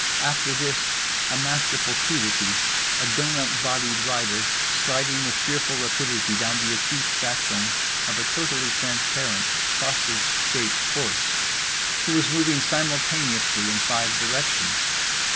After this, a masterful crudity—a doughnut bodied rider, sliding with fearful rapidity down the acute backbone of a totally transparent sausage shaped horse, who was moving simultaneously in five directions.